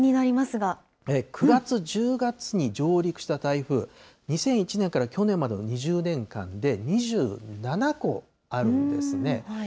９月、１０月に上陸した台風、２００１年から去年までの２０年間で２７個あるんですね。